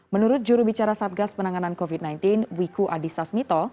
menurut jurubicara satgas penanganan covid sembilan belas wiku adhisasmito